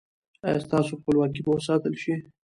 ایا ستاسو خپلواکي به وساتل شي؟